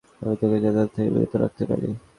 আমি তোকে জেতানো থেকে বিরত রাখতে পারি।